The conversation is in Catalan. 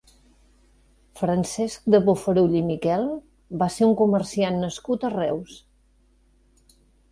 Francesc de Bofarull i Miquel va ser un comerciant nascut a Reus.